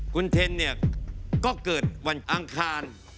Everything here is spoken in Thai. คุณเทนเนี่ยก็เกิดวันอังคาร